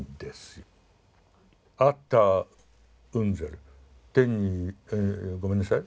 アッターウンゼル天にごめんなさい。